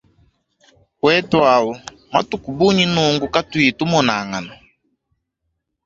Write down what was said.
Wetuau, matuku bunyi nunku katuyi tumonangana.